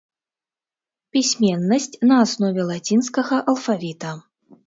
Пісьменнасць на аснове лацінскага алфавіта.